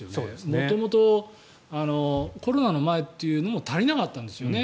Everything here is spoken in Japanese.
元々、コロナの前というのも足りなかったんですよね。